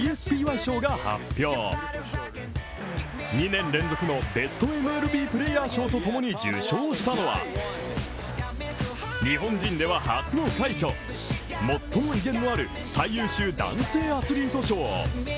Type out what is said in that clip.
２年連続のベストＭＬＢプレーヤー賞とともに受賞したのは日本人では初の快挙最も威厳のある、最優秀男性アスリート賞。